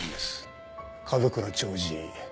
角倉長治。